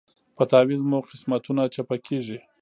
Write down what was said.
په تعویذ مو قسمتونه چپه کیږي